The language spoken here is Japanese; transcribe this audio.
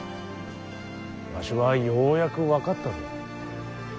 わしはようやく分かったぞ。